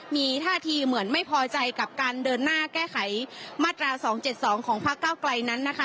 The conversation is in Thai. มีท่าทีเหมือนไม่พอใจกับการเดินหน้าแก้ไขมาตรา๒๗๒ของพักเก้าไกลนั้นนะคะ